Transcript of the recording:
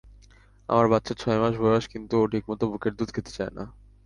আমার বাচ্চার ছয় মাস বয়স কিন্তু ও ঠিকমত বুকের দুধ খেতে চায় না।